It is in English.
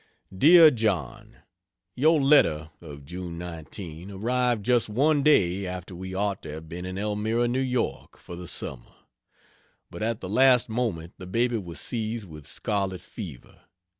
DEAR JOHN, Your letter of June 19 arrived just one day after we ought to have been in Elmira, N. Y. for the summer: but at the last moment the baby was seized with scarlet fever.